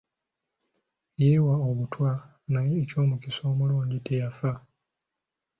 Yeewa obutwa naye eky'omukisa omulungi teyafa.